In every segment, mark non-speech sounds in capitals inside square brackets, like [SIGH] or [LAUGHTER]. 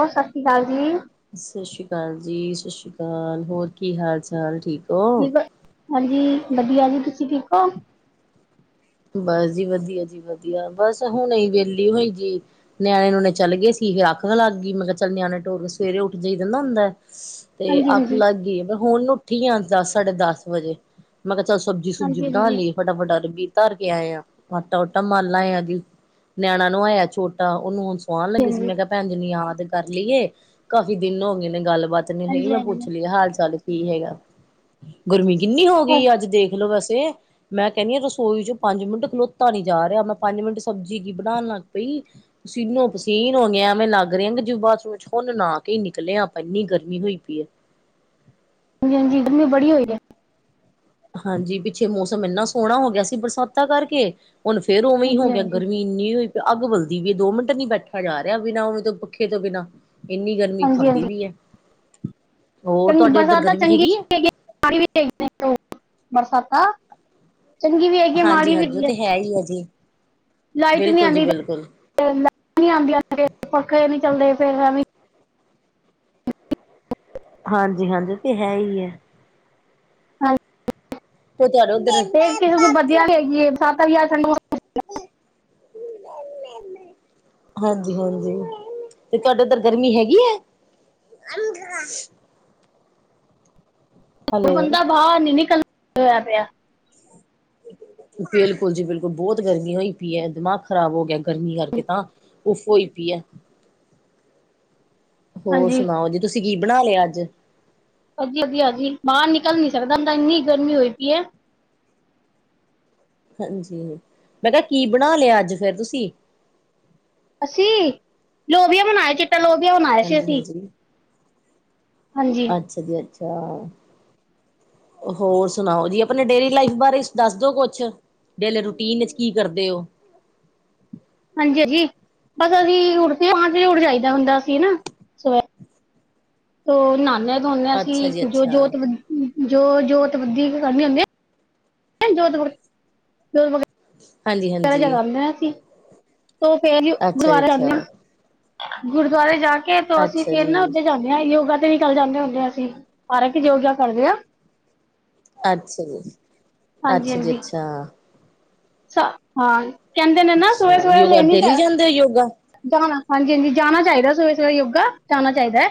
ਹੋਰ ਸਾਸਰੀ ਕਾਲ ਜੀ। ਸਾਸ਼ਰੀ ਕਾਲ ਜੀ ਸਸ਼ੀ ਕਾਲ ਹੋਰ ਕੀ ਹਾਲ-ਚਾਲ ਠੀਕ ਹੋ? ਠੀਕ, ਹਾਂਜੀ ਵਧੀਆ ਜੀ ਤੁਸੀਂ ਠੀਕ ਓ? ਬਸ ਜੀ ਵਧੀਆ ਜੀ ਵਧੀਆ ਬਸ ਹੁਣੇ ਹੀ ਵਿਹਲੀ ਹੋਈ ਜੀ। ਨਿਆਣੇ-ਨੂਣੇ ਚੱਲ ਗਏ ਸੀ ਫਿਰ ਅੱਖ ਲੱਗ ਗਈ ਮੈਂ ਕਿਹਾ ਚੱਲ ਨਿਆਣੇ ਟੋਰ ਕੇ ਸਵੇਰੇ ਉੱਠ ਜਾਈ ਦਾ ਨਾ ਹੁੰਦਾ। ਤੇ ਹਾਂਜੀ ਅੱਖ ਹਾਂਜੀ ਲੱਗ ਗਈ ਮੈਂ ਹੁਣ ਉੱਠੀ ਆ ਦਸ ਸਾਡੇ ਦਸ ਵਜੇ। ਮੈਂ ਕਿਹਾ ਚਲ ਸਬਜ਼ੀ-ਸੁਬਜੀ ਹਾਂਜੀ ਬਣਾ ਹਾਂਜੀ ਲੀਏ ਫਟਾਫਟ ਅਰਬੀ ਧਰ ਕੇ ਆਏ ਆ, ਆਟਾ-ਊਟਾ ਮਲਨਾ ਆ ਜੀ, ਨਿਆਣਾ ਨਵਾਇਆ ਛੋਟਾ ਉਹਨੂੰ ਸੁਆਂਨ ਲਗੀ ਸੀ ਹਾਂਜੀ ਮੈਂ ਕਿਹਾ ਭੈਣ ਜੀ ਨੂੰ ਯਾਦ ਕਰ ਲਈਏ, ਕਾਫ਼ੀ ਦਿਨ ਹੋ ਗਏ ਨੇ ਗੱਲਬਾਤ ਨੀ ਰਹੀ ਹਾਂਜੀ ਮੈਂ ਹਾਂਜੀ ਪੁੱਛ ਲੀਏ ਹਾਲ ਚਾਲ ਕੀ ਹੈਗਾ, ਗੁਰਮੀਤ ਕਿੰਨੀ ਹੋ ਗਈ ਹਾਂਜੀ ਅੱਜ ਦੇਖਲੋ ਵੈਸੇ, ਮੈਂ ਕਹਿੰਨੀ ਆ ਤੁਸੀ ਰਸੋਈ 'ਚ ਪੰਜ ਮਿੰਟ ਖਲੋਤਾ ਨੀ ਜਾ ਰਿਹਾ ਮੈਂ ਪੰਜ ਮਿੰਟ ਸਬਜ਼ੀ ਕੀ ਬਣਾਣ ਲੱਗ ਪਈ ਪਸੀਨੋ-ਪਸੀਨ ਹੋ ਗਿਆ ਮੈਂ ਲੱਗ ਰਿਹਾ ਜਿਵੇਂ ਬਾਥਰੂਮ 'ਚ ਹੁਣ ਨਾ ਕੇ ਹੀ ਨਿਕਲੇ ਆ ਆਪਾਂ ਇੰਨੀ ਗਰਮੀ ਹੋਈ ਪਈ ਏ। ਹਾਂਜੀ-ਹਾਂਜੀ ਗਰਮੀ ਬੜੀ ਹੋਈ ਏ। ਹਾਂਜੀ ਪਿੱਛੇ ਮੌਸਮ ਇੰਨਾ ਸੋਹਣਾ ਹੋ ਗਿਆ ਸੀ ਬਰਸਾਤਾਂ ਕਰਕੇ, ਹੁਣ ਫੇਰ ਉਵੇਂ ਹੋ ਹਾਂਜੀ ਗਿਆ ਹਾਂਜੀ ਗਰਮੀ ਇੰਨੀ ਹੋਈ ਪਈ ਅੱਗ ਬਲਦੀ ਪਈ ਦੋ ਮਿੰਟ ਨੀ ਬੈਠਾ ਜਾ ਰਿਹਾ ਬਿਨਾਂ ਓਹਦੇ ਪੱਖੇ ਤੋਂ ਬਿਨਾ। ਇੰਨੀ ਗਰਮੀ ਹਾਂਜੀ ਖਾਂਦੀ ਹਾਂਜੀ ਵੀ ਏ, ਹੋਰ ਤੁਹਾਡੇ ਉੱਧਰ ਗਰਮੀ ਹੈਗੀ ਏ? ਪਾਣੀ ਵੀ [UNINTELLIGIBLE] ਬਰਸਾਤਾਂ ਚੰਗੀ ਵੀ ਏ ਹਾਂਜੀ-ਹਾਂਜੀ ਉਹ ਤੇ ਹੈ ਹੀ ਆ ਜੀ। ਲਾਈਟ ਨੀ ਬਿਲਕੁਲ ਜੀ ਆਂਦੀ, ਬਿਲਕੁਲ ਲਾਈਟ ਨੀ ਆਉਂਦੀ ਪੱਖੇ ਨੀ ਚੱਲਦੇ ਫਿਰ ਐਵੀ ਹਾਂਜੀ-ਹਾਂਜੀ ਇਹ ਤੇ ਹੈ ਈ ਏ। ਹਾਂਜੀ, ਤੇ ਤੁਹਾਡੇ ਉੱਧਰ ਤੇ ਕਿਸ ਵਧੀਆ ਵੀ ਹੈਗੀ ਸਤ ਹਜ਼ਾਰ ਸਡੂੰ [UNINTELLIGIBLE] ਹਾਂਜੀ-ਹਾਂਜੀ, ਤੇ ਤੁਹਾਡੇ ਉਧਰ ਗਰਮੀ ਹੈਗੀ ਏ? [UNINTELLIGIBLE] ਉਹ ਹੈਲੋ ਬੰਦਾ ਬਾਹਰ ਨੀ ਨਿਕਲ, ਹੋਇਆ ਪਿਆ। ਬਿਲਕੁਲ ਜੀ ਬਿਲਕੁਲ ਬਹੁਤ ਗਰਮੀ ਹੋਈ ਪਈ ਏ, ਦਿਮਾਗ ਖ਼ਰਾਬ ਹੋ ਗਿਆ ਗਰਮੀ ਕਰਕੇ ਤਾਂ। ਉਫ ਹੋਈ ਪਈ ਏ, ਹੋਰ ਹਾਂਜੀ ਸੁਣਾਓ ਜੀ ਤੁਸੀਂ ਕੀ ਬਣਾ ਲਿਆ ਅੱਜ? ਅੱਗ ਲੱਗੀ ਆ ਜੀ, ਬਾਹਰ ਨਿਕਲ ਨੀ ਸਕਦਾ ਹੁਣ ਤਾਂ ਇੰਨੀ ਗਰਮੀ ਹੋਈ ਪਈ ਏ। ਹਾਂਜੀ, ਮੈਂ ਕਿਹਾ ਕੀ ਬਣਾ ਲਿਆ ਅੱਜ ਫਿਰ ਤੁਸੀਂ? ਅਸੀਂ, ਲੋਬਿਆ ਬਣਾਇਆ ਚਿੱਟਾ ਲੋਬਿਆ ਬਨਾਇਆ ਸੀ ਹਾਂਜੀ ਅਸੀਂ। ਹਾਂਜੀ ਹਾਂਜੀ ਅੱਛਾ ਜੀ ਅੱਛਾ। ਹੋਰ ਸੁਣਾਓ ਜੀ ਆਪਣੇ ਡੇਲੀ ਲਾਈਫ ਬਾਰੇ ਦੱਸ ਦੋ ਕੁਛ, ਡੇਲੇ ਰੂਟੀਨ ਚ ਕੀ ਕਰਦੇ ਓ? ਹਾਂਜੀ-ਹਾਂਜੀ, ਬਸ ਅਸੀਂ ਉਠਜੇ ਹਾਜੀ ਉੜ ਜਾਈਦਾ ਹੁੰਦਾ ਸੀ ਨਾ, ਸਵੇ ਤੋ ਨਾਨੇ ਧੋਂਨੇ ਆ ਅੱਛਾ ਜੀ ਅਸੀਂ ਜੋ ਅੱਛਾ ਜੋਤ ਬ, ਜੋ ਜੋਤ ਬੱਧੀ ਕਰਨੇ ਹੁਦੇ। [UNINTELLIGIBLE] [UNINTELLIGIBLE] ਪਹਿਰਾ ਹਾਂਜੀ ਜਗਾਦੇ ਆ ਅਸੀਂ। ਤੋ ਫੇਰ ਜੀ, ਅੱਛਾ ਗੁਰਦੁਆਰੇ ਜਾਨਿਆ, ਅੱਛਾ ਗੁਰਦੁਆਰੇ ਜਾ ਕੇ ਤੋ ਅਸੀਂ ਅੱਛਾ ਫੇਰ ਜੀ ਨਾ ਉੱਥੇ ਜਾਂਨੇ ਯੋਗਾ ਤੇ ਵੀ ਨਿਕਲ ਜਾਂਦੇ ਹੁਨੇ ਐ ਅਸੀਂ, ਹਰ ਇੱਕ ਯੋਗਾ ਕਰਦੇ ਆ। ਅੱਛਾ ਜੀ, ਅੱਛਾ ਜੀ ਅੱਛਾ। ਚਾ ਹਾਂ ਕਹਿੰਦੇ ਨੇ ਨਾ ਅੱਛਾ ਸਵੇਰੇ-ਸਵੇਰੇ ਯੋਗਾ ਲੈਣੀ ਡੇਲੀ ਚਾ ਜਾਂਦੇ ਹੋ ਯੋਗਾ ਜਾਣਾ, ਹਾਂਜੀ-ਹਾਂਜੀ ਜਾਣਾ ਚਾਹੀਦਾ ਸਵੇਰੇ-ਸਵੇਰੇ ਯੋਗਾ ਜਾਣਾ ਚਾਹੀਦਾ ਐ।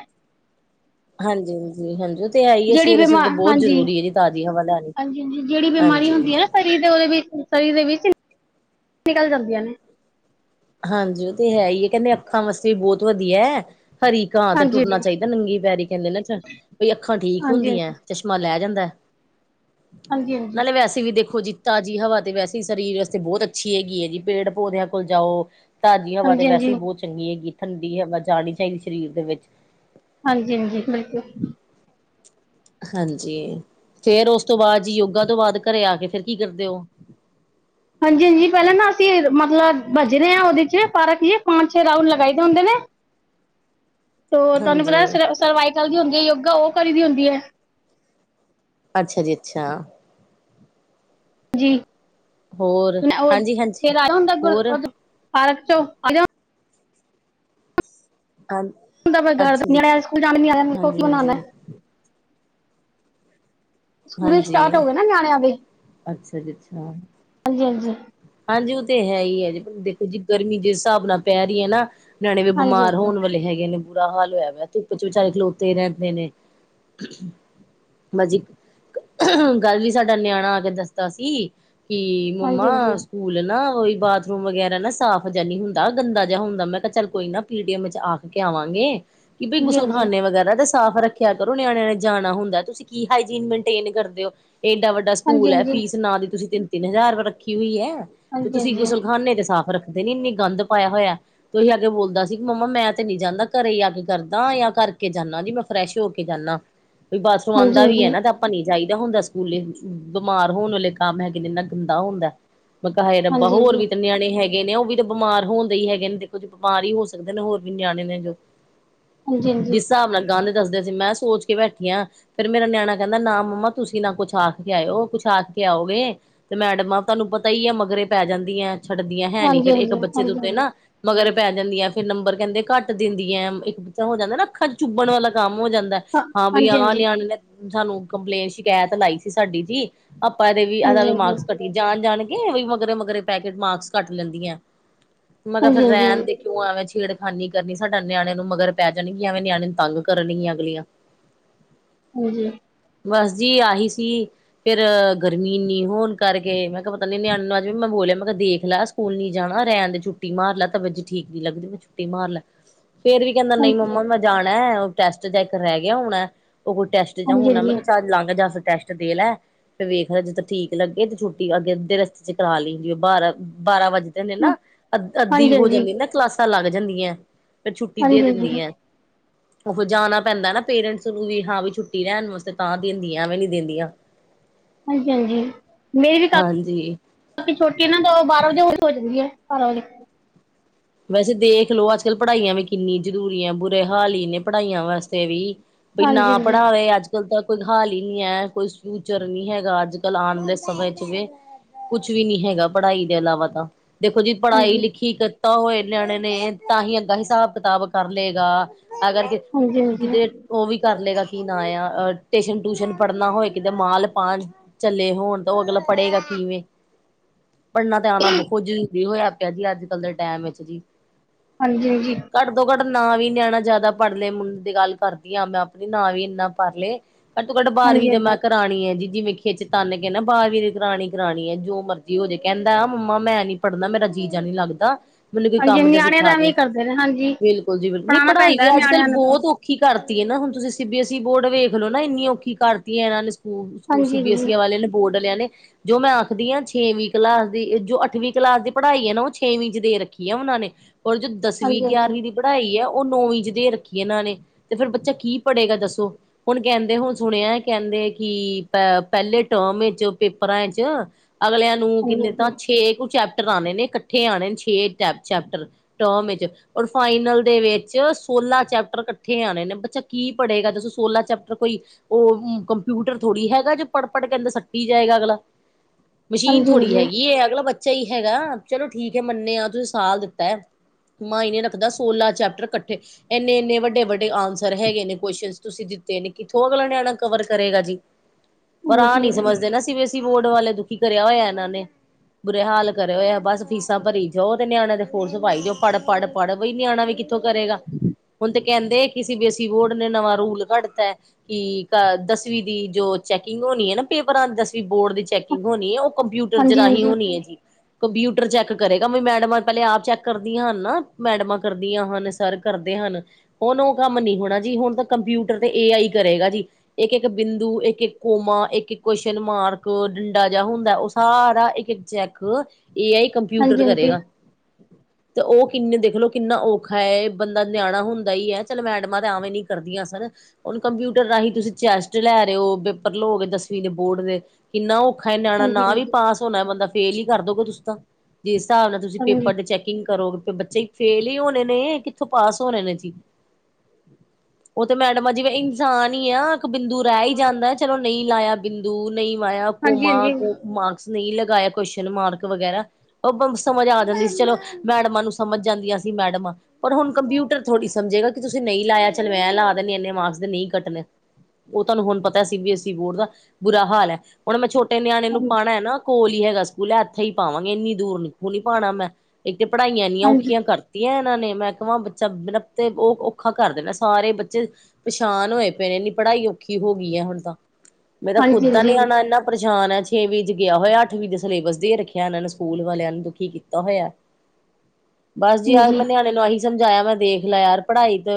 ਹਾਂਜੀ। ਹਾਂਜੀ ਉਹ ਤੇ ਐ ਏ ਜਿਹੜੀ ਸਵੇਰੇ ਸਵੇਰੇ ਤੇ ਬਿਮਾਰ ਬਹੁਤ ਹਾਂਜੀ ਜ਼ਰੂਰੀ ਏ ਤਾਜ਼ੀ ਹਵਾ ਲੈਣੀ, ਹਾਂਜੀ। ਸੀ ਦੇ ਉਹਦੇ ਵਿੱਚ ਸਹੀ ਦੇ ਵਿੱਚ ਨਾ, ਨਿਕਲ ਜਾਂਦੀਆਂ ਨੇ। ਹਾਂਜੀ ਉਹ ਤੇ ਹੈ ਹੀ ਕਹਿੰਦੇ ਅੱਖਾਂ ਵਾਸਤੇ ਵੀ ਬਹੁਤ ਵਧੀਆ ਹੈ ਹਰੀ ਘਾਹ ਤੇ ਹਾਂਜੀ ਟੁਰਨਾ ਚਾਹੀਦਾ ਨੰਗੇ ਪੈਰੀ ਕਹਿੰਦੇ ਨੇ ਅੱਖਾਂ ਠੀਕ ਹਾਂਜੀ ਹਾਂਜੀ ਹੁੰਦੀਆਂ ਚਸ਼ਮਾ ਲਹਿ ਜਾਂਦਾ, ਹਾਂਜੀ ਹਾਂਜੀ ਹਾਂਜੀ ਨਾਲੇ ਵੈਸੇ ਵੀ ਦੇਖੋ ਜੀ ਤਾਜ਼ੀ ਹਵਾ ਤੇ ਵੈਸੇ ਹੀ ਸਰੀਰ ਵਾਸਤੇ ਬਹੁਤ ਅੱਛੀ ਹੈਗੀ ਏ ਜੀ ਪੇੜ ਪੌਦਿਆਂ ਕੋਲ ਜਾਓ, ਤਾਜ਼ੀ ਹਵਾ ਤੇ ਵੈਸੇ ਹੀ ਹਾਂਜੀ ਬਹੁਤ ਚੰਗੀ ਹੈਗੀ ਠੰਡੀ ਹਵਾ ਜਾਣੀ ਚਾਹੀਦੀ ਸਰੀਰ ਦੇ ਵਿੱਚ ਹਾਂਜੀ-ਹਾਂਜੀ, ਬਿਲਕੁਲ। ਹਾਂਜੀ, ਫੇਰ ਉਸ ਤੋਂ ਬਾਅਦ ਜੀ ਯੋਗਾ ਤੋਂ ਬਾਅਦ ਘਰੇ ਆ ਕੇ ਫੇਰ ਕੀ ਕਰਦੇ ਹੋ? ਹਾਂਜੀ-ਹਾਂਜੀ, ਪਹਿਲਾਂ ਨਾ ਅਸੀਂ ਮਤਲਬ ਭੱਜ ਰਹੇ ਹਾਂ ਉਹਦੇ ਚ ਪਰ ਕੀਏ ਪੰਜ ਛੇ ਰਾਊਂਡ ਲਗਾਏ ਦੇ ਹੁੰਦੇ ਨੇ। [UNINTELLIGIBLE] ਉਹ ਤੁਹਾਨੂੰ ਪਤਾ ਹਾਂਜੀ ਸਰ ਸਰਵਾਈਕਲ ਦੀ ਹੁੰਦੀ ਆ ਯੋਗਾ ਉਹ ਕਰੀ ਦੀ ਹੁੰਦੀਆ। ਅੱਛਾ ਜੀ ਅੱਛਾ। ਜੀ, ਹੋਰ ਨਾ ਉਹ, ਹਾਂਜੀ ਹਾਂਜੀ ਫੇਰ ਆ ਹੁੰਦਾ, ਹੋਰ ਪਾਰਕ ਚੋਂ [UNINTELLIGIBLE] ਕੱਲ, ਹੁੰਦਾ ਗਰਦ ਨਿਆ ਸਕੂਲ ਜਾਣਾ ਮੈੰ ਨਿਆਣਿਆ ਨੂੰ ਉਹ ਕੀ ਹਾਂਜੀ ਬਣਾਣਾ। ਸਕੂਲ ਹਾਂਜੀ, ਸਟਾਰਟ ਹੋ ਗਏ ਨਾ ਨਿਆਣਿਆਂ ਅੱਛਾ ਜੀ ਅੱਛਾ। ਹਾਂਜੀ-ਹਾਂਜੀ। ਹਾਂਜੀ ਉਹ ਤੇ ਹੈ ਹੀ ਆ ਜੇ ਦੇਖੋ ਜੀ ਗਰਮੀ ਜਿਸ ਹਿਸਾਬ ਨਾਲ ਪੈ ਰਹੀ ਹੈ ਨਾ, ਨਿਆਣੇ ਵੀ ਹਾਂਜੀ ਬਿਮਾਰ ਹਾਂਜੀ ਹੋਣ ਵਾਲੇ ਹੈਗੇ ਨੇ, ਬੁਰਾ ਹਾਲ ਹੋਇਆ ਵੈਂ ਧੁੱਪ ਚ ਵਿਚਾਰੇ ਖਲੋਤੇ ਰਹਿੰਦੇ ਨੇ, ਮੈਜੀਕ, ਗੱਲ ਵੀ ਸਾਡਾ ਨਿਆਣਾ ਆ ਕੇ ਦੱਸਤਾ ਸੀ ਕਿ ਹਾਂਜੀ ਮਾਂ ਸਕੂਲ ਨਾ ਉਈ ਬਾਥਰੂਮ ਵਗੈਰਾ ਨਾ ਸਾਫ਼ ਜਿਹਾ ਨੀ ਹੁੰਦਾ ਗੰਦਾ ਜਿਹਾ ਹੁੰਦਾ ਮੈਂ ਕਿਹਾ ਚੱਲ ਕੋਈ ਨਾ ਪੀਟੀਐਮ ਵਿੱਚ ਆਖ ਕੇ ਆਵਾਂਗੇ ਕਿ ਬਈ ਹਾਂਜੀ ਹਾਂਜੀ ਗੁਸਲਖਾਨੇ ਵਗੈਰਾ ਤਾਂ ਸਾਫ਼ ਰੱਖਿਆ ਕਰੋ, ਨਿਆਣਿਆਂ ਨੇ ਜਾਣਾ ਹੁੰਦਾ ਤੁਸੀਂ ਕੀ ਹਾਈਜੀਨ ਮੇਨਟੇਨ ਕਰਦੇ ਓ ਏਡਾ ਵੱਡਾ ਦਾ ਹਾਂਜੀ ਸਕੂਲ ਆ ਫੀਸ ਨਾ ਦੀ ਤੁਸੀਂ ਤਿੰਨ-ਤਿੰਨ ਹਜ਼ਾਰ ਰੱਖੀ ਹੋਈ ਆ, ਤੇ ਹਾਂਜੀ ਤੁਸੀਂ ਗੁਸਲਖਾਨੇ ਤੇ ਸਾਫ਼ ਰੱਖ ਦੇ ਨੀ ਇੰਨੀ ਗੰਦ ਪਾਇਆ ਹੋਇਆ। ਤੁਹੀ ਅੱਜ ਬੋਲਦਾ ਸੀ ਕਿ ਮੰਮਾ ਮੈਂ ਤੇ ਨੀ ਜਾਂਦਾ ਘਰੇ ਹੀ ਆ ਕੇ ਕਰਦਾ ਜਾ ਕਰਕੇ ਜਾਨਾ ਜੀ ਮੈਂ ਫਰੈਸ਼ ਹੋ ਕੇ ਜਾਨਾ। ਵੀ ਬਾਥਰੂਮ ਹਾਂਜੀ ਹਾਂਜੀ ਆਉਂਦਾ ਵੀ ਆ ਹਾਂਜੀ ਨਾ ਤੇ ਆਪਾ ਨੀ ਜਾਈ ਦਾ ਹੁੰਦਾ ਸਕੂਲੇ ਬਿਮਾਰ ਹੋਣ ਵਾਲੇ ਕੰਮ ਹੈਗੇ ਨੇ ਇੰਨਾ ਗੰਦਾ ਹੁੰਦਾ। ਹਾਏ ਰੱਬਾ, ਹਾਂਜੀ ਹੋਰ ਵੀ ਤਾਂ ਨਿਆਣੇ ਨਣੇ ਹੈਗੇ ਨੇ ਉਹ ਵੀ ਤਾਂ ਬਿਮਾਰ ਹੋਦੇ ਹੀ ਹੈਗੇ ਨੇ ਦੇਖੋ ਜੈ ਬਿਮਾਰ ਹੀ ਹੋ ਸਕਦੇ ਨੇ ਹੋਰ ਵੀ ਨਿਆਣੇ ਨੇ ਜੋ ਹਾਂਜੀ-ਹਾਂਜੀ। ਜਿਸ ਹਿਸਾਬ ਲੱਗਾ ਦੇ ਦੱਸਦੇ ਸੀ ਮੈਂ ਸੋਚ ਕੇ ਬੈਠੀ ਹਾਂ। ਫੇਰ ਮੇਰਾ ਨਿਆਣਾ ਕਹਿੰਦਾ ਨਾ ਮੰਮਾ ਤੁਸੀਂ ਨਾ ਕੁੱਛ ਆਖ ਕੇ ਆਇਓ, ਕੁਛ ਆਖ ਕੇ ਆਓਗੇ ਤੇ ਮੈਡਮਾਂ ਤੁਹਾਨੂੰ ਪਤਾ ਹੀ ਏ ਮਗਰੇ ਪੈ ਜਾਂਦੀਆਂ ਐ ਛੱਡਦੀਆਂ ਹੈ, ਨੀ ਫੇਰ ਇੱਕ ਬੱਚੇ ਦੇ ਹਾਂਜੀ ਹਾਂਜੀ ਹਾਂਜੀ ਉੱਤੇ ਨਾ ਮਗਰ ਪੈ ਜਾਂਦੀਆ ਫੇਰ ਨੰਬਰ ਕਹਿੰਦੇ ਘੱਟ ਦਿੰਦੀਆਂ ਹੈ। ਤਾਂ ਹੋ ਜਾਂਦਾ ਨਾ ਅੱਖਾਂ ਚੁੱਬਣ ਵਾਲਾ ਕੰਮ ਹੋ ਜਾਂਦਾ ਏ। ਹਾਂ ਬਈ ਆਹ ਹਾਂਜੀ ਨਿਆਣੇ ਨੇ ਸਾਨੂੰ ਕੰਪਲੇਂਟ ਸ਼ਿਕਾਇਤ ਲਾਈ ਸੀ ਸਾਡੀ ਜੀ। ਆਪਾਂ ਇਹਦੇ ਵੀ ਇਹਦਾ ਹਾਂਜੀ ਵੀ ਹਾਂਜੀ ਮਾਰਕਸ ਕੱਟੀਏ ਜਾਣ-ਜਾਣ ਕੇ ਵੀ ਮਗਰੇ-ਮਗਰੇ ਪੈ ਕੇ ਮਾਰਕਸ ਕੱਟ ਲੈਂਦੀਆਂ, ਮੈ ਕਿਹਾ ਫੇਰ ਹਾਂਜੀ ਹਾਂਜੀ ਹਾਂ ਹਾਂਜੀ ਹਾਂਜੀ ਹਾਂਜੀ ਰਹਿਣ ਹਾਂਜੀ ਹਾਂਜੀ ਦੇ। ਕਿਉਂ ਐਵੇਂ ਛੇੜਖਾਨੀ ਕਰਨੀ ਸਾਡਾ ਨਿਆਣੇ ਨੂੰ ਮਗਰ ਪੈ ਜਾਣਗੀਆਂ, ਐਵੇਂ ਨਿਆਣੇ ਨੂੰ ਤੰਗ ਕਰਨਗੀਆਂ ਅਗਲੀਆਂ। [INAUDIBLE] ਹਾਂਜੀ। ਬਸ ਜੀ ਆਹੀ ਸੀ। ਫਿਰ ਗਰਮੀ ਇੰਨੀ ਹੋਣ ਕਰਕੇ ਮੈਂ ਕਿਹਾ ਪਤਾ ਨੀ ਨਿਆਣੇ ਨੂੰ ਅਜ ਵੀ ਮੈਂ ਬੋਲਿਆ, ਮੈਂ ਕਿਹਾ ਦੇਖ ਲਾ ਸਕੂਲ ਨੀ ਜਾਣਾ ਰਹਿਣ ਦੇ ਛੁੱਟੀਮਾਰ ਲਾ ਤਬੀਅਤ ਠੀਕ ਨੀ ਲੱਗਦੀ ਛੁੱਟੀ ਮਾਰਲੇ ਫੇਰ ਵੀ ਕਹਿੰਦਾ ਹਾਂਜੀ ਹਾਂਜੀ ਹਾਂਜੀ ਹਾਂਜੀ ਹਾਂਜੀ ਨਹੀਂ ਹਾਂਜੀ ਮੰਮਾ ਮੈਂ ਜਾਣਾ। ਉਹ ਟੈਸਟ ਜਾਂ ਇੱਕ ਰਹਿ ਗਿਆ ਹੁਣ ਉਹ ਕੋਈ ਟੈਸਟ ਹੁਣ ਮੈਂ ਕਿਹਾ ਚ ਲੰਘ ਜਾ ਟੈਸਟ ਦੇ ਲੈ ਤੇ ਵੇਖ ਲ ਜਦੋਂ ਠੀਕ ਲੱਗੇ ਤੇ ਛੁੱਟੀ ਅੱਗੇ ਰਸਤੇ ਚ ਲੈਂਦੀ ਉਹ ਬਾਰਾਂ- ਬਾਰਾਂ ਵਜੇ ਦੇ ਨਾ ਅ ਅੱਧੀ ਹਾਂਜੀ ਹੋ ਜਾਂਦੀ ਹਾਂਜੀ ਨਾ ਕਲਾਸਾਂ ਲੱਗ ਜਾਂਦੀਆਂ। ਫਿਰ ਛੁੱਟੀ ਦੇ ਹਾਂਜੀ ਦਿੰਦੀ ਆ। ਉਹ ਹ ਜਾਣਾ ਪੈਂਦਾ ਨਾ ਪੇਰੈਂਟਸ ਨੂੰ ਵੀ ਹਾਂ ਵੀ ਛੁੱਟੀ ਲੈਣ ਵਾਸਤੇ ਤਾਂ ਦਿੰਦੀਆਂ ਐਵੇਂ ਨੀ ਦਿੰਦੀਆਂ। ਹਾਂਜੀ-ਹਾਂਜੀ ਮੇਰੀ ਵੀ ਕੰ ਹਾਂਜੀ। ਬਾਕੀ ਛੋਟੀ ਇਹ ਨਾ ਤਾਂ ਬਾਰਾਂ ਵਜੇ ਹੋ ਹੀ ਹੋ ਜਾਦੀ ਹੈ ਬਾਰਾਂ ਵਜੇ ਵੈਸੇ ਦੇਖ ਲਓ ਅੱਜ ਕੱਲ੍ਹ ਪੜ੍ਹਾਈਆਂ ਵੀ ਕਿੰਨੀ ਜ਼ਰੂਰੀ ਹੈ। ਬੁਰੇ ਹਾਲ ਹੀ ਨੇ ਪੜ੍ਹਾਈਆਂ ਵਾਸਤੇ ਵੀ। ਬਈ ਹਾਂਜੀ ਹਾਂਜੀ ਨਾ ਪੜ੍ਹਾਵੇ ਅੱਜ ਅੱਜ-ਕੱਲ ਤਾਂ ਕੋਈ ਹਾਲ ਹੀ ਨਹੀ ਹੈ। ਕੋਈ ਫਿਊਚਰ ਨਹੀ ਹੈਗਾ ਅੱਜ ਕੱਲ ਆਉਣ ਵਾਲੇ ਸਮੇਂ ਚ ਵੀ ਜਿਵੇ ਕੁਛ ਵੀ ਨੀ ਹੈਗਾ ਪੜ੍ਹਾਈ ਦੇ ਇਲਾਵਾ ਤਾਂ, ਦੇਖੋ ਜੀ ਪੜ੍ਹਾਈ ਹਾਂਜੀ ਹਾਂਜੀ ਲਿਖੀ ਤਾਂ ਹੋਏ ਨਿਆਣੇ ਨੇ, ਤਾਂ ਹੀ ਅੱਗਾ ਹਿਸਾਬ ਕਿਤਾਬ ਕਰ ਲਏਗਾ ਅਗਰ ਹਾਂਜੀ ਕਿਤੇ ਹਾਂਜੀ ਉਹ ਵੀ ਕਰ ਲਏਗਾ ਕੀ ਨਾ-ਆ-ਅ ਟਿਸ਼ਨ ਟੂਸ਼ਨ ਪੜ੍ਹਨਾ ਹੋਏ ਕਿਤੇ ਮਾਲ ਪਾਉਣ ਚੱਲੇ ਹੋਣ ਤਾਂ ਉਹ ਅਗਲਾ ਪੜ੍ਹੇਗਾ ਕਿਵੇਂ? ਪੜ੍ਹਨਾ ਤੇ ਆਉਣਾ ਬਹੁਤ ਜ਼ਰੂਰੀ ਹੋਇਆ ਪਿਆ ਜੀ। ਅੱਜ ਕੱਲ੍ਹ ਦੇ ਟਾਈਮ ਵਿੱਚ ਜੀ ਹਾਂਜੀ-ਹਾਂਜੀ। ਘੱਟੋ ਘੱਟ ਨਾ ਵੀ ਨਿਆਣਾ ਜ਼ਿਆਦਾ ਪੜ੍ਹਲੇ ਮੁੰਡੇ ਦੀ ਗੱਲ ਕਰਦੀ ਹਾਂ ਮੈਂ ਆਪਣੀ ਨਾ ਵੀ ਇੰਨਾ ਪੜ੍ਹ ਲਏ ਤੋ ਘੱਟੋ ਘੱਟ ਬਾਰਵੀਂ ਹਾਂਜੀ ਮੈਂ ਹਾਂਜੀ ਕਿਹਾ ਕਰਾਣੀ ਹੈ ਜੀ ਜਿਵੇਂ ਖਿੱਚ ਤਨ ਕਹਿੰਦਾ ਬਾਰਵੀ ਦੀ ਕਰਰਾਣੀ ਕਰਾਉਣੀ ਹੈ। ਜੋ ਮਰਜ਼ੀ ਹੋ ਜੇ ਕਹਿੰਦਾ ਮੰਮਾ ਮੈਂ ਨੀ ਪੜ੍ਹਨਾ ਮੇਰਾ ਜੀ ਨੀ ਲੱਗਦਾ। ਮੈਨੂੰ ਕੋਈ ਹਾਂਜੀ ਕੰਮ ਜਾਂ ਨਿਆਣੇ ਤਾਂ ਸਿਖਾ ਐਵੇਂ ਦੋ। ਕਰਦੇ ਨੇ ਹਾਂਜੀ ਬਿਲਕੁਲ ਜੀ ਬਿਲਕੁਲ ਨਹੀਂ ਪੜ੍ਹਾਉਣਾ ਪੜ੍ਹਾਈ ਪੈਂਦਾ ਅੱਜ ਕੱਲ ਨਿਆਣਿਆਂ ਨੂੰ ਤਾਂ ਬਹੁਤ ਔ ਔਖੀ ਕਰਤੀਏ ਨਾ ਹੁਣ ਤੁਸੀਂ ਸੀ ਬੀ ਐੱਸਈ ਬੋਰਡ ਵੇਖ ਲਓ ਨਾ ਇੰਨੀ ਔਖੀ ਕਰਤੀਆਂ ਇਹਨਾ ਹਾਂਜੀ ਹਾਂਜੀ ਸੀਬੀਐਸਸੀ ਵਾਲਿਆਂ ਨੇ ਬੋਰਡ ਲਿਆਣੇ ਜੋ ਮੈਂ ਆਖਦੀ ਹਾਂ ਛੇਵੀਂ ਕਲਾਸ ਦੀ ਜੋ ਅੱਠਵੀਂ ਕਲਾਸ ਦੀ ਪੜ੍ਹਾਈ ਹੈ ਨਾ ਉਹ ਛੇਵੀਂ ਚ ਦੇ ਰ ਰੱਖੀ ਆ ਉਹਨਾਂ ਨੇ, ਔਰ ਜੋ ਹਾਂਜੀ ਦਸਵੀਂ-ਗਿਆਰਵੀਂ ਪੜ੍ਹਾਈ ਹੈ। ਉਹ ਨੌਵੀਂ ਚ ਦੇ ਰੱਖੀ। ਇਹਨਾਂ ਨੇ ਤੇ ਫੇਰ ਬੱਚਾ ਕੀ ਪੜ੍ਹੇਗਾ ਦੱਸੋ? ਹੁਣ ਕਹਿੰਦੇ ਹੁਣ ਸੁਣਿਆ ਕਹਿੰਦੇ ਕਿ ਪਹਿਲੇ ਟਰਮ ਵਿੱਚ ਪੇਪਰਾਂ ਚ ਅਗਲਿਆਂ ਨੂੰ ਹਾਂਜੀ ਕਿੰਨੇ ਹਾਂਜੀ ਤਾਂ ਛੇ ਕੁ ਚੈਪਟਰ ਆਉਣੇ ਨੇ ਇਕੱਠੇ ਆਉਣੇ ਨੇ ਛੇ ਚੈਪਟਰ ਟਮ ਵਿੱਚ ੳਰ ਫਾਈਨਲ ਦੇ ਵਿੱਚ ਸੋਲਾਂ ਚੈਪਟਰ ਇਕੱਠੇ ਆਣੇ ਨੇ ਬੱਚਾ ਕੀ ਪੜ੍ਹੇਗਾ ਦੱਸੋ ਸੋਲਾਂ ਚੈਪਟਰ ਕੋਈ ਉਹੀ ਕੰਪਿਊਟਰ ਥੋੜ੍ਹੀ ਹੈਗਾ ਜੋ ਪੜ੍ਹ-ਪੜ੍ਹ ਕਹਿੰਦਾ ਦਸ ਰਟੀ ਜਾਏਗਾ ਅਗਲਾ ਮਸ਼ੀਨ ਥੋੜ੍ਹੀ ਹਾਂਜੀ ਹਾਂਜੀ ਹੈਗੀ ਅਗਲਾ ਬੱਚਾ ਈ ਹੈਗਾ ਚਲੋ ਠੀਕ ਐ ਮੰਨਿਆ ਆ ਤੁਸੀਂ ਸਾਲ ਦਿੱਤਾ ਐ ਮਾਇਨੇ ਰੱਖਦਾ ਸੋਲਾਂ ਚੈਪਟਰ ਇਕੱਠੇ ਇੰਨੇ-ਇੰਨੇ ਵੱਡੇ-ਵੱਡੇ ਆਂਸਰ ਹੈਗੇ ਨੇ ਕੋਸ਼ਨ ਤੁਸੀਂ ਦਿੱਤੇ ਨੇ ਕਿੱਥੋਂ ਅਗਲਾ ਨਿਆਣਾ ਕਵਰ ਕਰੇਗਾ ਜੀ ਪਰ ਆ ਹਾਂਜੀ ਨੀ ਸਮਝਦੇ ਨਾ ਸੀ ਬੋਰਡ ਵਾਲੇ ਦੁਖੀ ਕਰਿਆ ਹੋਇਆ ਇਹਨਾਂ ਨੇ ਬੁੁਰੇ ਹਾਲ ਕਰਿਆ ਹੋਇਆ ਬਸ ਫੀਸਾਂ ਭਰੀ ਜਾਓ ਨਿਆਣੇ ਦੇ ਫੋਰਸ ਪਾਈ ਜਾਉ ਪੜ੍ਹ-ਪੜ੍ਹ-ਪੜ੍ਹ ਬਈ ਨਿਆਣਾ ਵੀ ਕਿੱਥੋਂ ਕਰੇਗਾ ਹੁਣ ਤੇ ਕਹਿੰਦੇ ਕਿ ਸੀ-ਬੀ ਐਸ-ਈ ਬੋਰਡ ਨੇ ਨਵਾਂ ਰੂਲ ਕੱਢਤਾ ਐ ਕਿ ਦਸਵੀਂ ਦੀ ਜੋ ਚੈਕਿੰਗ ਹੋਣੀ ਏ‌ ਨਾ ਪੇਪਰਾਂ ਦੀ ਦਸਵੀਂ ਬੋਰਡ ਦੀ ਚੈਕਿੰਗ ਹੋਣੀ ਏ ਕੰਪਿਊਟਰ ਦੇ ਹਾਂਜੀ ਰਾਹੀਂ ਹਾਂਜੀ ਹੋਣੀ ਐ ਜੀ ਕੰਪਿਊਟਰ ਚੈੱਕ ਕਰੇਗਾ ਵੀ ਮੈਂ ਮੈਡਮਾਂ ਪਹਿਲੇ ਆਪ ਚੈੱਕ ਕਰਦੀਆਂ ਹਨ ਨਾ, ਮੈਡਮਾਂ ਕਰਦੀਆਂ ਹਨ, ਸਰ ਕਰਦੇ ਹਨ ਹੁਣ ਉਹ ਕੰਮ ਨੀ ਹੋਣਾ ਜੀ, ਹੁਣ ਤਾਂ ਕੰਪਿਊਟਰ ਤੇ ਏ-ਆਈ ਕਰੇਗਾ ਜੀ ਇੱਕ-ਇੱਕ ਬਿੰਦੂ, ਇੱਕ-ਇੱਕ ਕੋਮਾ, ਇੱਕ-ਇੱਕ ਕੁਸ਼ਚਨ ਮਾਰਕ ਡੰਡਾ ਜਿਹਾ ਹੁੰਦਾ ਉਹ ਸਾਰਾ ਇੱਕ ਚੈੱਕ ਇਹ ਏ-ਆਈ ਕੰਪਿਊਟਰ ਹਾਂਜੀ ਕਰੇਗਾ ਹਾਂਜੀ ਤੇ ਉਹ ਕਿੰਨੇ ਦੇਖਲਓ ਕਿੰਨਾ ਔਖਾ ਐ ਬੰਦਾ ਨਿਆਣਾ ਹੁੰਦਾ ਹੀ ਹੈ ਚੱਲ ਮੈਡਮਾਂ ਤੇ ਐਵੇਂ ਨੀ ਕਰਦੀਆਂ ਸਨ ਹੁਣ ਕੰਪਿਊਟਰ ਰਾਹੀਂ ਤੁਸੀਂ ਚੈਸਟ ਲੈ ਰਹੇ ਹੋ ਪੇਪਰ ਲਓਗੇ, ਦਸਵੀਂ ਦੇ ਬੋਰਡ ਦੇ ਕਿੰਨਾ ਔਖਾ ਹੈ ਨਿਆਣਾ ਹਾਂਜੀ ਨਾ ਵੀ ਹਾਂਜੀ ਪਾਸ ਹੋਣਾ ਬੰਦਾ ਫੇਲ ਹੀ ਕਰ ਦੋਗੇ ਤੁਸੀਂ ਤਾਂ ਜਿਸ ਹਿਸਾਬ ਨਾਲ ਤੁਸੀਂ ਪੇਪਰ ਹਾਂਜੀ ਦੇ ਚੈਕਿੰਗ ਕਰੋਗੇ ਬੱਚੇ ਫੇਲ ਹੀ ਹੋਣੇ ਨੇ ਕਿੱਥੋਂ ਪਾਸ ਹੋਣੇ ਨੇ ਜੀ ਉਹ ਤੇ ਮੈਡਮ ਆ ਜਿਵੇ ਇਨਸਾਨ ਹੀ ਆ ਇੱਕ ਬਿੰਦੂ ਰਹਿ ਹੀ ਜਾਂਦਾ ਚਲੋ ਨਹੀਂ ਲਾਇਆ ਬਿੰਦੂ ਨਹੀਂ ਮਾਇਆ ਕੋਮਾ ਹਾਂਜੀ ਹਾਂਜੀ ਹਾਂਜੀ ਮਾਰਕਸ ਨਹੀਂ ਲਗਾਇਆ ਕੁਸ਼ਚਨ ਮਾਰਕ ਵਗੈਰਾ ਉਹ ਸਮਝ ਆ ਜਾਂਦੀ ਸੀ ਚਲੋ ਮੈਡਮਾਂ ਨੂੰ ਸਮਝ ਜਾਂਦੀਆਂ ਸੀ ਮੈਡਮਾਂ ਪਰ ਹੁਣ ਕੰਪਿਊਟਰ ਥੋੜ੍ਹੀ ਸਮਝੇਗਾ, ਕਿ ਤੁਸੀਂ ਨਹੀਂ ਲਾਇਆ ਚੱਲ ਮੈਂ ਲਾ ਦੇਣੇ ਇੰਨੇ ਮਾਰਕਸ ਦੇ ਨਹੀਂ ਕੱਟਣੇ ਉਹ ਤੁਹਾਨੂੰ ਹੁਣ ਪਤਾ ਸੀ-ਬੀ-ਐਸ ਈ ਬੋਰਡ ਦਾ ਬੁਰਾ ਹਾਲ ਐ ਹੁਣ ਮੈਂ ਛੋਟੇ ਨਿਆਣੇ ਨੂੰ ਪਾਉਣਾ ਨਾ ਕੋਲ ਹੈਗਾ ਸਕੂਲ ਐ, ਇੱਥੇ ਹੀ ਪਾਵਗੇ ਇੰਨੀ ਦੂਰ ਨ ਨੀ ਪਾਉਣਾ ਮੈਂ ਇੱਕ ਤੇ ਪੜ੍ਹਾਈਆਂ ਐਨੀਆਂ ਹਾਂਜੀ ਔਖੀਆਂ ਕਰ ਤੀਆਂ ਇਹਨਾਂ ਨੇ ਮੈਂ ਕਵਾ ਬੱਚਾ ਬਿਨਾਂ ਤੇ ਉਹ ਔਖਾ ਕਰ ਦੇਣਾ ਸਾਰੇ ਬੱਚੇ ਪੇਛਣ ਹੋਏ ਪਏ ਨੇ ਇਨੀ ਪੜ੍ਹਾਈ ਔਖੀ ਹੋ ਗਈ ਈ ਹੁਣ ਤਾਂ ਮੈਂ ਤਾਂ ਖੁਦ ਦਾ ਹਾਂਜੀ ਨਿਆਣਾ ਇਨਾ ਪਰੇਸ਼ਾਨ ਛੇਵੀ ਚ ਗਿਆ ਹੋਇਆ ਅੱਠਵੀ ਦੇ ਸਿਲੇਬਸ ਦੇ ਰੱਖਿਆ, ਇਹਨਾਂ ਨੇ ਸਕੂਲ ਵਾਲਿਆਂ ਨੂੰ ਦੁਖੀ ਕੀ ਕੀਤਾ ਹੋਇਆ ਬਸ ਜੀ ਆ ਹਾਂਜੀ ਮੈਂ ਨਿਆਣੇ ਨੂੰ ਆਹੀ ਸਮਝਾਇਆ ਮੈਂ ਦੇਖ ਲਿਆ ਯਾਰ ਪੜ੍ਹਾਈ ਤੇ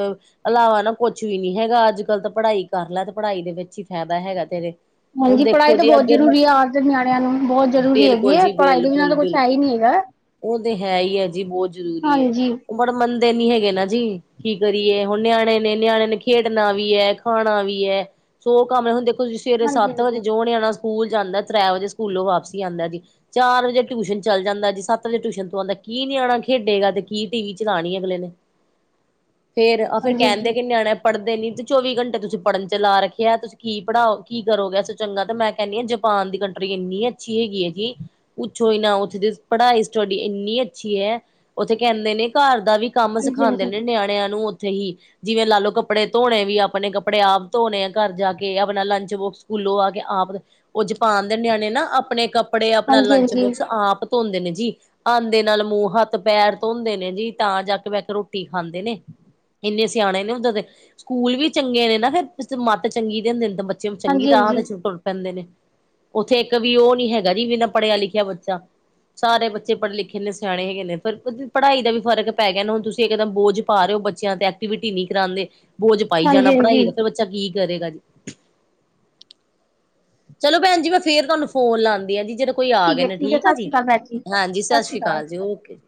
ਇਲਾਵਾ ਨਾ ਕੁਛ ਵੀ ਨੀ ਹੈਗਾ ਅੱਜ, ਕੱਲ੍ਹ ਤਾਂ ਪੜ੍ਹਾਈ ਕਰ ਲੈ ਤੇ ਪੜ੍ਹਾਈ ਦੇ ਵਿੱਚ ਹੀ ਫਾਇਦਾ ਹੈਗਾ ਤੇਰੇ ਹੁਣ ਹਾਂਜੀ ਪੜ੍ਹਾਈ ਦੇਖੋ ਤਾਂ ਜੀ ਬਹੁਤ ਅੱਗੇ ਜ਼ਰੂਰੀ ਆ ਅੱਜ ਦੇ ਨਿਆਣਿਆਂ ਨੂੰ ਬਹੁਤ ਜ਼ਰੂਰੀ ਹੈਗੀ ਬਿਲਕੁਲ ਹੈ ਜੀ, ਪੜ੍ਹਾਈ ਦੇ ਬਿਨਾਂ ਤਾਂ ਕੁਛ ਹੈ ਹੀ ਬਿਲਕੁਲ-ਬਿਲਕੁਲ ਨਹੀਂ ਹੈਗਾ ਉਹ ਤੇ ਹੈ ਹੀ ਹੈ ਜੀ ਬਹੁਤ ਜ਼ਰੂਰੀ ਹੈ ਹਾਂਜੀ ਉਹ ਬੜ ਮੰਨਦੇ ਨੀ ਹੈਗੇ ਨਾ ਜੀ ਕੀ ਕਰੀਏ ਹੁਣ ਨਿਆਣੇ ਨੇ ਨਿਆਣੇ ਨੇ ਖੇਡਣਾ ਵੀ ਐ ਖਾਣਾ ਵੀ ਐ ਸੋ ਕੰਮ ਹੁੰਦੇ ਦੇਖੋ ਤੁਸੀ ਸਵੇਰੇ ਹਾਂਜੀ ਸੱਤ ਵਜੇ ਹਾਂਜੀ ਜੋ ਨਿਆਣਾ ਸਕੂਲ ਜਾਂਦਾ ਤ੍ਰੈ ਵਜੇ ਸਕੂਲੋਂ ਵਾਪਸੀ ਆਉਦਾ ਜੀ ਚਾਰ ਵਜੇ ਟਿਊਸ਼ਨ ਚੱਲ ਜਾਂਦਾ ਸੱਤ ਵਜੇ ਟਿਊਸ਼ਨ ਤੋਂ ਆਉਂਦਾ ਕੀ ਨ ਆਣਾ ਖੇਡੇਗਾ ਤੇ ਕੀ ਟੀ-ਵੀ ਚਲਾਣੀ ਅਗਲੇ ਨੇ ਫੇਰ ਆਖੇ ਹਾਂਜੀ ਹਾਂਜੀ ਕਹਿੰਦੇ ਕਿ ਨਿਆਣੇ ਪੜ੍ਹਦੇ ਨੀ ਤੇ ਚੌਵੀ ਘੰਟੇ ਤੁਸੀਂ ਪੜ੍ਹਨ ਚ ਲਾ ਰੱਖੇਿਆ ਤੁਸੀਂ ਕੀ ਪੜ੍ਹਾਓ ਕੀ ਕਰੋਗੇ ਇਸ ਤੋਂ ਚੰਗਾ ਤੇ ਮੈਂ ਕਹਿੰਦੀ ਹਾਂ ਜ ਜਪਾਨ ਦੀ ਕੰਟਰੀ ਇੰਨੀ ਅੱਛੀ ਹੈਗੀ ਐਂ ਜੀ ਪੁੱਛੋ ਹੀ ਨਾ ਉੱਥੇ ਦੇ ਪੜ੍ਹਾਈ ਸਟੱਡੀ ਇੰਨੀ ਅੱਛੀ ਐ ਉੱਥੇ ਕਹਿੰਦੇ ਨੇ ਘਰ ਦਾ ਵੀ ਕੰਮ ਹਾਂਜੀ ਸਿਖਾਉਂਦੇ ਹਾਂਜੀ ਨੇ ਨਿਆਣਿਆਂ ਨੂੰ ਉੱਥੇ ਹੀ ਜਿਵੇਂ ਲਾਲੋ ਕੱਪੜੇ ਧੋਣੇ ਵੀ ਆਪਣੇ ਕੱਪੜੇ ਆਪ ਧੋਣੇ ਆ ਘਰ ਜਾ ਕੇ ਆਪਣਾ ਲੰਚ ਬੋਕਸ ਸਕੂਲੋਂ ਆ ਕੇ ਆਪ ਓ ਜਪਾਨ ਦੇ ਨਿਆਣੇ ਨਾ ਆਪਣੇ ਕੱਪੜੇ, ਆਪਣਾ ਹਾਂਜੀ ਲੰਚ ਹਾਂਜੀ ਬੌਕਸ ਆਪ ਧੋਂਦੇ ਨੇ ਜੀ। ਆਂਦੇ ਨਾਲ ਮੂੰਹ, ਹੱਥ, ਪੈਰ ਧੋਂ ਮਦੇ ਨੇ ਜੀ ਤਾਂ ਜਾ ਕੇ ਬੈ ਕ ਰੋਟੀ ਖਾਂਦੇ ਨੇ। ਇੰਨੇ ਸਿਆਣੇ ਨੇ ਉੱਦਾਂ ਦੇ ਸਕੂਲ ਵੀ ਚੰਗੇ ਨੇ ਨਾ ਫਿਰ ਮੱਤ ਚੰਗੀ ਦੇ [UNINTELLIGIBLE] ਬੱਚੇ ਚੰਗੀ ਥਾਂ ਤੇ ਹਾਂਜੀ ਤੁਰ ਪੈਂਦੇ ਨੇ ਉੱਥੇ ਇੱਕ ਵੀ ਓ ਨੀ ਹੈਗਾ ਜੀ ਬਿਨਾਂ ਪੜ੍ਹਿਆ ਲਿਖਿਆ ਬੱਚਾ। ਸਾਰੇ ਬੱਚੇ ਪੜ੍ਹੇ ਲਿਖੇ ਨੇ, ਸਿਆਣੇ ਹੈਗੇ ਨੇ ਫਿਰ ਪੜ੍ਹਾਈ ਦਾ ਵੀ ਫਰਕ ਪੈ ਗਿਆ ਹੁਣ ਤੁਸੀਂ ਇੱਕਦਮ ਬੋਝ ਪਾ ਰਿਓ ਬੱਚਿਆਂ ਤੇ ਐਕਟੀਵਿਟੀ ਨੀ ਕਰਾਂਦੇ ਬੋਝ ਪਾਈ ਜਾਣਾ ਹਾਂਜੀ ਪੜ੍ਹਾਈ ਹਾਂਜੀ ਦਾ ਤੇ ਬੱਚਾ ਕੀ ਕਰੇਗਾ ਜੀ ਚਲੋ ਭੈਣ ਜੀ ਮੈਂ ਫੇਰ ਤੁਹਾਨੂੰ ਫੋਨ ਲਾਂਦੀ ਆ ਜੀ ਜਰਾ ਕੋਈ ਆ ਗੇ ਹੈ ਨਾ ਹੈ ਠੀਕ ਆ ਸਤਿ ਸ਼੍ਰੀ ਜੀ। ਅਕਾਲ ਭੈਣ ਹਾਂਜੀ ਸਤਿ ਸਸ ਸ਼੍ਰੀ ਸ੍ਰੀ ਅਕਾਲ ਕਾਲ ਜੀ ਓਕੇ।